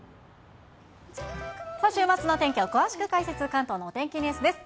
週末のお天気を詳しく解説、関東のお天気ニュースです。